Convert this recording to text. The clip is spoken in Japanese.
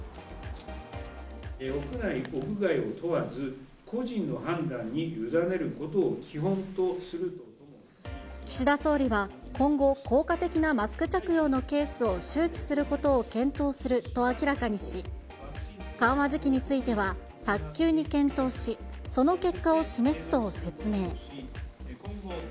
屋内、屋外を問わず、個人の岸田総理は、今後、効果的なマスク着用のケースを周知することを検討すると明らかにし、緩和時期については、早急に検討し、その結果を示すと説明。